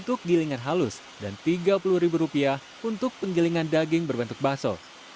penggilingan halus dan rp tiga puluh untuk penggilingan daging berbentuk baso